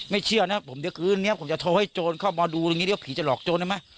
เชื่อนะผมเดี๋ยวคืนนี้ผมจะโทรให้โจรเข้ามาดูตรงนี้เดี๋ยวผีจะหลอกโจรได้ไหม